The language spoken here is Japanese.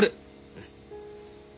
うん。